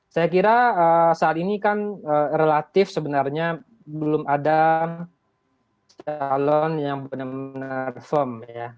saya kira saat ini kan relatif sebenarnya belum ada calon yang benar benar firm ya